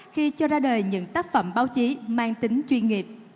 khi cho ra đời những tác phẩm báo chí mang tính chuyên nghiệp